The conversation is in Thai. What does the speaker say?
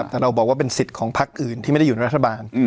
แต่เราบอกว่าเป็นสิทธิ์ของพักอื่นที่ไม่ได้อยู่ในรัฐบาล